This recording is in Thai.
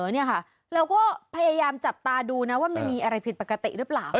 เราก็พยายามจับตาดูนะว่าไม่มีอะไรผิดปกติรึเปล่า